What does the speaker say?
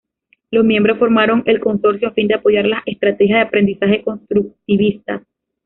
Los miembros formaron el Consorcio a fin de apoyar las estrategias de aprendizaje constructivista.